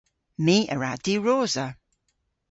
My a wra diwrosa.